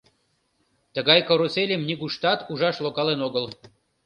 Тыгай карусельым нигуштат ужаш логалын огыл.